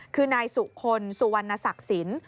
คือนายสุคลสุวรรณศักดิ์สิน